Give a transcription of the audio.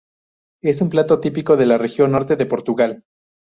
Es un plato típico de la región norte de Portugal.